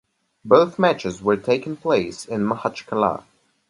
Both matches were taken place in Makhachkala.